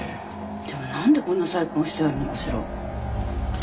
でも何でこんな細工がしてあるのかしら？